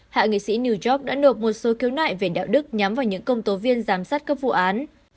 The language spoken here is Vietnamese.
hạ nghị sĩ new york đã nộp một số khiếu nại về đạo đức nhắm vào những công tố viên giám sát các vụ án